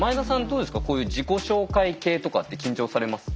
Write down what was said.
どうですかこういう自己紹介系とかって緊張されます？